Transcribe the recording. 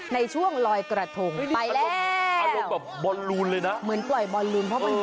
ในช่วงลอยกระทงไปแล้ว